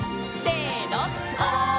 せの！